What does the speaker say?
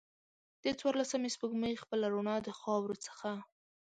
د څوارلسمې سپوږمۍ خپله روڼا د خاورو څخه